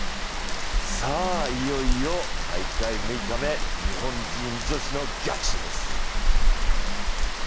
さあ、いよいよ大会６日目日本人女子の逆襲です。